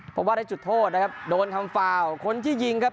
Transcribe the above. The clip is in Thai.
เพราะว่าได้จุดโทษนะครับโดนทำฟาวคนที่ยิงครับ